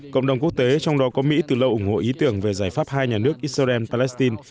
cộng đồng quốc tế trong đó có mỹ từ lâu ủng hộ ý tưởng về giải pháp hai nhà nước israel palestine